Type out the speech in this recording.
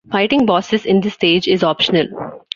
Fighting bosses in this stage is optional.